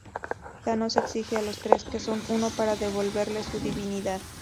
Thanos exige a los tres que son uno para devolverle su divinidad.